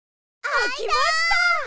あきました！